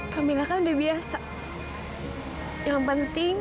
camilla kan udah biasa